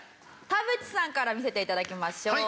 田渕さんから見せて頂きましょう。